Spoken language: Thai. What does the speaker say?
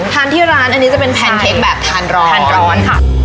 ทานที่ร้านอันนี้จะเป็นแพนเค้กแบบทานร้อน